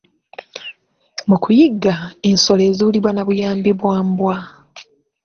Mu kuyigga, ensolo ezuulibwa na buyambi bwa mbwa.